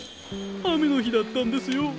雨の日だったんですよ。